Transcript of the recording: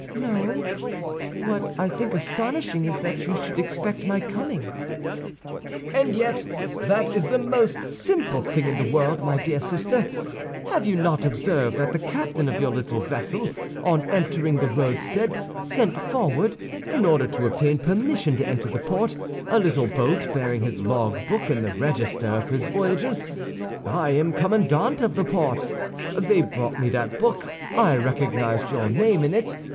"No; what I think astonishing is that you should expect my coming." "And yet that is the most simple thing in the world, my dear sister. Have you not observed that the captain of your little vessel, on entering the roadstead, sent forward, in order to obtain permission to enter the port, a little boat bearing his logbook and the register of his voyagers? I am commandant of the port. They brought me that book. I recognized your name in it.